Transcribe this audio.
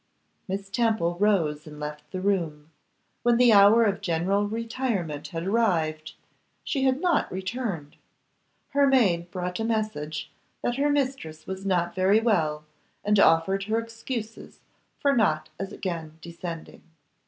Miss Temple rose and left the room. When the hour of general retirement had arrived, she had not returned. Her maid brought a message that her mistress was not very well, and offered her excuses for not again descending.